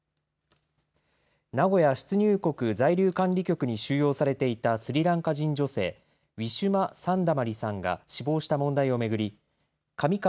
名古屋出入国在留管理局に収容されていたスリランカ人女性、ウィシュマ・サンダマリさんが死亡した問題を巡り上川